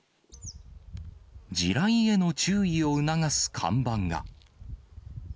地雷への注意を促す看板が。